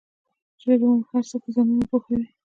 چرګې مو په هرڅه کې ځانونه پوهوي.